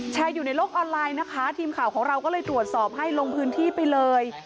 อยู่ในโลกออนไลน์นะคะทีมข่าวของเราก็เลยตรวจสอบให้ลงพื้นที่ไปเลย